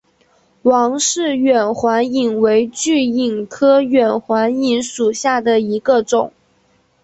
王氏远环蚓为巨蚓科远环蚓属下的一个种。